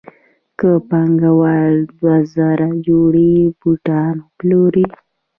که پانګوال دوه زره جوړې بوټان وپلوري